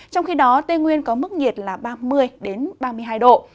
trong khi đó tây nguyên có mức nhiệt là ba mươi ba mươi hai độ